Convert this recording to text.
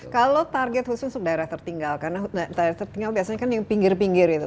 kalau target khusus untuk daerah tertinggal karena daerah tertinggal biasanya kan yang pinggir pinggir itu